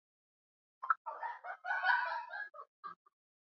weka sehemu ya joto kwa saa moja unga wako